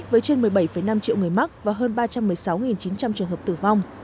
với trên một mươi bảy năm triệu người mắc và hơn ba trăm một mươi sáu chín trăm linh trường hợp tử vong